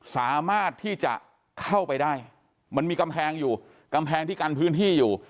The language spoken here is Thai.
สามารถที่จะเข้าไปได้มันมีกำแพงอยู่กำแพงที่กันพื้นที่อยู่